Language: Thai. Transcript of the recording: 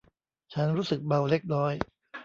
ฉันรู้สึกเมาเล็กน้อย